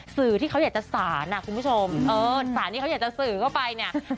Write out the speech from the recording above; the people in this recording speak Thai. สื่อที่เขาอยากจะสารอ่ะคุณผู้ชมเออสารที่เขาอยากจะสื่อเข้าไปเนี่ย